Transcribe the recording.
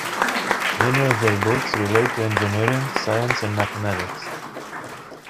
Many of their books relate to engineering, science and mathematics.